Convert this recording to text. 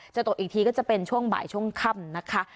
ตกอีกทีก็จะเป็นช่วงบ่ายช่วงค่ำนะคะ